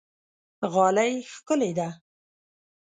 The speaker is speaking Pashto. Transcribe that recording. غالۍ ښکلې ده.